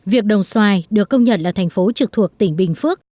việc đồng xoài được công nhận là thành phố trực thuộc tỉnh bình phước